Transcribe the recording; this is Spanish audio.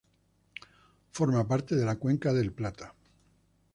Forma parte de la cuenca del Plata.